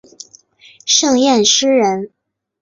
盛彦师人。